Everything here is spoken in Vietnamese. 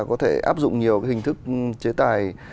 có thể áp dụng nhiều hình thức chế tài